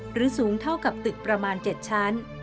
สูงเท่ากับตึกประมาณ๗ชั้น